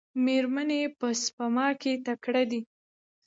میرمنې په سپما کې تکړه دي.